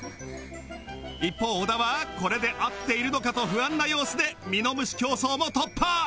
一方小田はこれで合っているのかと不安な様子でミノムシ競争も突破